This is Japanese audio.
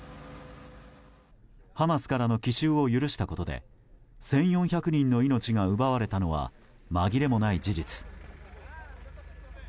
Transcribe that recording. ハマスからの奇襲を許したことで１４００人の命が奪われたのはまぎれもない事実。